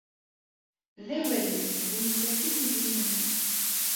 D awal-is, d nettat i t-id-yennan.